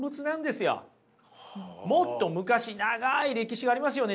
もっと昔長い歴史がありますよね